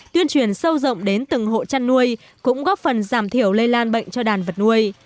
tuyên truyền sâu rộng đến từng hộ chăn nuôi cũng góp phần giảm thiểu lây lan bệnh cho đàn vật nuôi